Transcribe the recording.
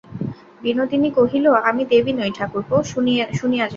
বিনোদিনী কহিল, আমি দেবী নই ঠাকুরপো, শুনিয়া যাও।